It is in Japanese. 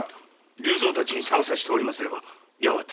竜三たちに探させておりますればやがて。